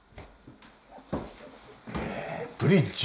ブリッジ。